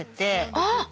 あっ！